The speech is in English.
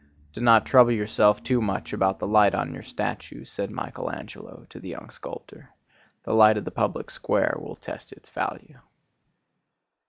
"Do not trouble yourself too much about the light on your statue," said Michael Angelo to the young sculptor; "the light of the public square will test its value."